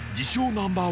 ナンバー